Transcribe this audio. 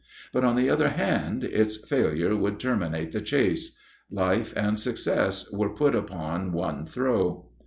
But, on the other hand, its failure would terminate the chase. Life and success were put upon one throw.